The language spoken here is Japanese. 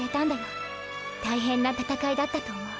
大変な闘いだったと思う。